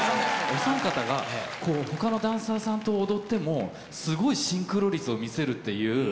お三方が、ほかのダンサーさんと踊っても、すごいシンクロ率を見せるっていう。